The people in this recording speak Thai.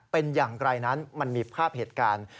เป็นอย่างไรนั้นมันมีภาพเหตุการณ์